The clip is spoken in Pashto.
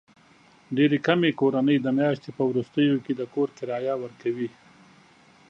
ډېرې کمې کورنۍ د میاشتې په وروستیو کې د کور کرایه ورکوي.